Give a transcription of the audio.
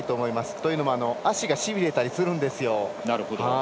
というのは足がしびれたりするんですよ。